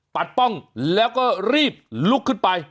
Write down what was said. ป้องแล้วก็รีบลุกขึ้นไป